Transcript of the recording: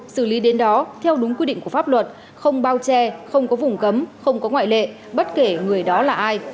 xử lý đến đó theo đúng quy định của pháp luật không bao che không có vùng cấm không có ngoại lệ bất kể người đó là ai